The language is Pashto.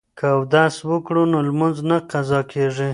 که اودس وکړو نو لمونځ نه قضا کیږي.